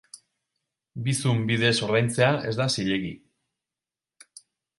Bizum bidez ordaintzea ez da zilegi.